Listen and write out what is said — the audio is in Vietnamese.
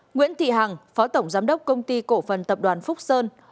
nguyễn thị hằng phó tổng giám đốc công ty cổ phần tập đoàn phúc sơn